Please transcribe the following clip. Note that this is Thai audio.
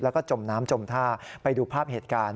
แล้วก็จมน้ำจมท่าไปดูภาพเหตุการณ์